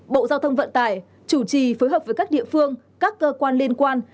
bộ giao thông vận tải chủ trì phối hợp với các địa phương các cơ quan liên quan